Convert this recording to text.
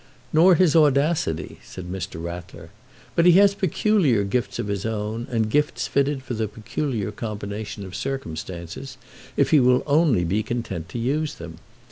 "Nor his audacity," said Mr. Rattler. "But he has peculiar gifts of his own, and gifts fitted for the peculiar combination of circumstances, if he will only be content to use them.